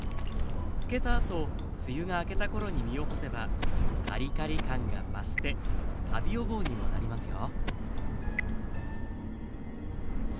漬けたあと梅雨が明けた頃に実を干せばカリカリ感が増してカビ予防にもなりますよ。